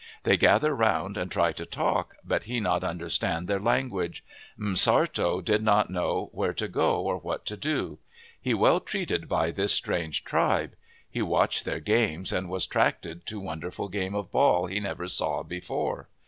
They gather 'round and try to talk, but he not understand their language. M'Sartto did not know where to go or what to do. He well treated by this H3 MYTHS AND LEGENDS strange tribe. He watch their games and was 'tracted to wonderful game of ball he never saw before.